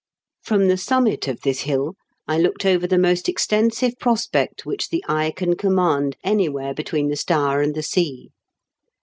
From the summit of this hill I looked over the most extensive prospect which the eye can command anywhere between the Stour and the sea.